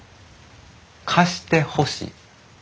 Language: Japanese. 貸してほしい。